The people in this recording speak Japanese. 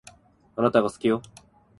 あなたが好きよ